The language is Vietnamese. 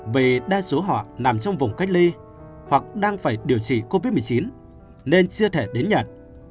về đa số họ nằm trong vùng cách ly hoặc đang phải điều trị covid một mươi chín nên chưa thể đến nhận